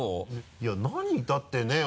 いや何だってねぇ？